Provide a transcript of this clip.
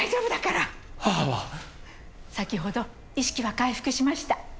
先ほど意識は回復しました。